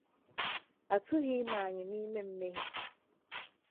A tụghị ime anyị n’ime mmehie